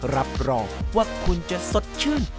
รับรองว่าคุณจะสดชื่น